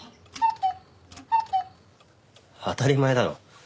当たり前だろ。